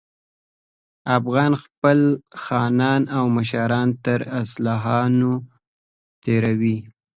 افغانان خپل خانان او مشران تر اصالتونو تېروي.